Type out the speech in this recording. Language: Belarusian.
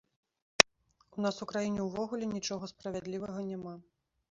У нас у краіне ўвогуле нічога справядлівага няма.